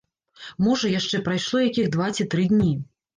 Можа, яшчэ прайшло якіх два ці тры дні.